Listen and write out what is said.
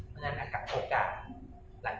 หรือเป็นอะไรที่คุณต้องการให้ดู